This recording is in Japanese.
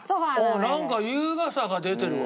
なんか優雅さが出てるわ。